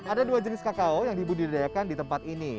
ada dua jenis kakao yang dibudidayakan di tempat ini